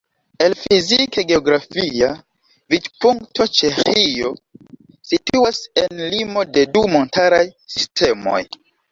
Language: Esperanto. El fizike-geografia vidpunkto Ĉeĥio situas en limo de du montaraj sistemoj.